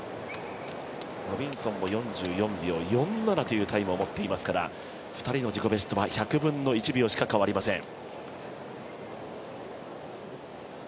ロビンソンも４４秒４７というタイムを持っていますから２人の自己ベストは１００分の１秒しか変わりません。